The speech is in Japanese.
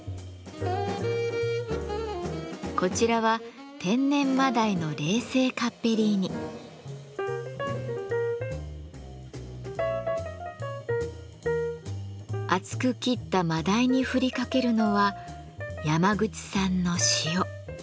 こちらは厚く切ったマダイに振りかけるのは山口産の塩。